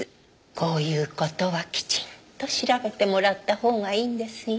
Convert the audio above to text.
こういう事はきちんと調べてもらったほうがいいんですよ。